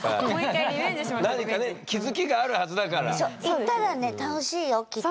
行ったらね楽しいよきっと。